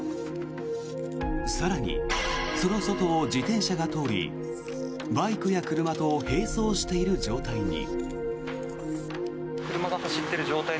更に、その外を自転車が通りバイクや車と並走している状態に。